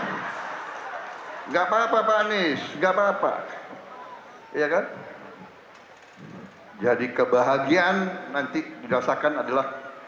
enggak papa papa nih enggak papa papa ya kan jadi kebahagiaan nanti dirasakan adalah